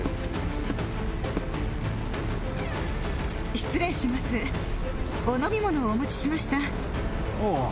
失礼しますお飲み物をお持ちしました。